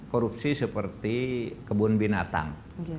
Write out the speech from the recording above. korupsi seperti kebun binatang